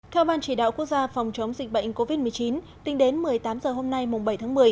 theo ban chỉ đạo quốc gia phòng chống dịch bệnh covid một mươi chín tính đến một mươi tám h hôm nay bảy tháng một mươi